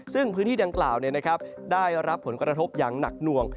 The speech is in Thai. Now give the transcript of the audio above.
ซึ่งพื้นที่ดังกล่าวได้รับผลกระทบอย่างหนักหน่วง